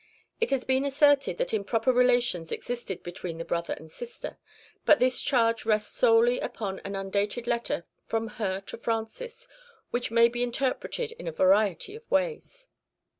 (1) It has been asserted that improper relations existed between the brother and sister, but this charge rests solely upon an undated letter from her to Francis, which may be interpreted in a variety of ways.